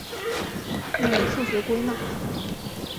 用数学归纳法。